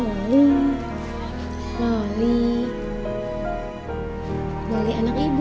loli loli loli anak ibu